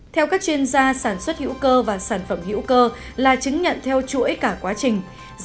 theo các chuyên gia sản xuất hữu cơ và sản phẩm hữu cơ là chứng nhận theo chuỗi cả quá trình